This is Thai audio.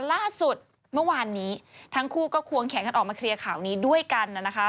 ล่าสุดเมื่อวานนี้ทั้งคู่ก็ควงแขนกันออกมาเคลียร์ข่าวนี้ด้วยกันนะคะ